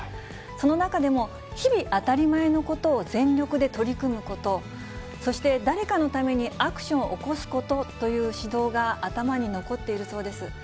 その中でも日々、当たり前のことを全力で取り組むこと、そして、誰かのためにアクションを起こすことという指導が頭に残っているそうです。